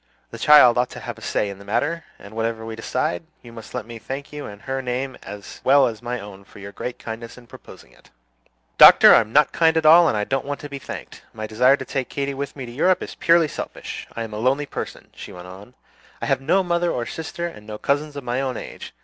"The child ought to have a say in the matter; and whatever we decide, you must let me thank you in her name as well as my own for your great kindness in proposing it." "Doctor, I'm not kind at all, and I don't want to be thanked. My desire to take Katy with me to Europe is purely selfish. I am a lonely person," she went on; "I have no mother or sister, and no cousins of my own age.